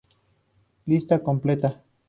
Lista Completa